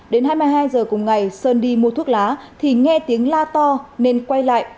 đến hai mươi hai giờ cùng ngày sơn đi mua thuốc lá thì nghe tiếng la to nên quay lại